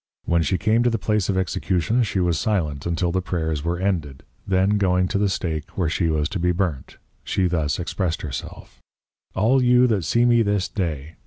When she came to the place of Execution, she was silent until the Prayers were ended, then going to the Stake where she was to be Burnt, she thus expressed herself, _All you that see me this day!